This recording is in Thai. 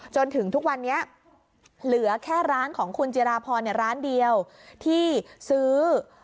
จนถึงทุกวันนี้เหลือแค่ร้านของคุณจิราพรร้านเดียวที่ซื้อ